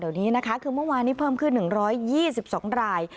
เดี๋ยวนี้นะคะคือเมื่อวานนี้เพิ่มขึ้น๑๒๒ราย